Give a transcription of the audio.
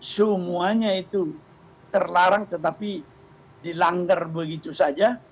semuanya itu terlarang tetapi dilanggar begitu saja